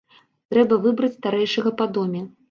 Трэба выбраць старэйшага па доме.